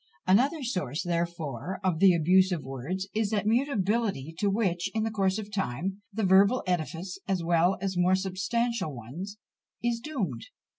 Another source, therefore, of the abuse of words, is that mutability to which, in the course of time, the verbal edifice, as well as more substantial ones, is doomed.